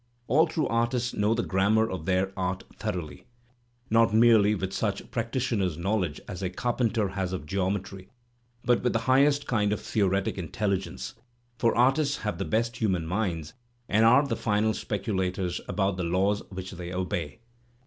All true artists know the grammar of their art thoroughly, not merely with such practitioner's knowledge as a carpenter has of geometry, but with the highest kind of theoretic intelligence, for artists have the best of human minds and are the final speculators about the laws which they obey.